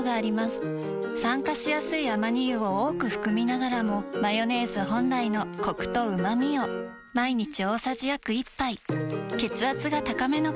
酸化しやすいアマニ油を多く含みながらもマヨネーズ本来のコクとうまみを毎日大さじ約１杯血圧が高めの方に機能性表示食品